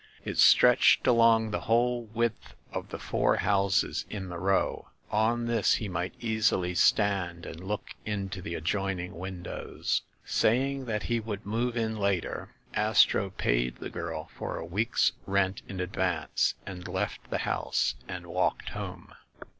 It stretched along the whole width of the four houses in the row. On this he might easily stand and look into the adjoining windows. Saying that he would move in later, Astro paid the girl for a week's rent in advance, and left the house and walked home.